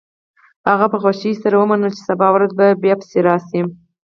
هغه په خوښۍ سره ومنله چې سبا ورځ بیا پسې راشي